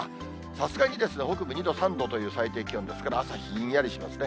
さすがに北部、２度、３度という最低気温ですから、朝、ひんやりしますね。